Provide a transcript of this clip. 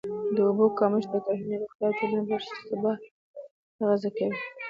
د اوبو کمښت د کرهڼې، روغتیا او ټولني پر ثبات منفي اغېز کوي.